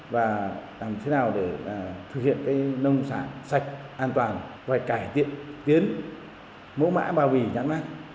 và làm thế nào để thực hiện nông sản sạch an toàn và cải tiện tiến mẫu mã bào bì nhắn nát